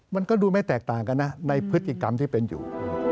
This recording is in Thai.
มันก็ดูไม่แตกต่างกันนะในพฤติกรรมที่เป็นอยู่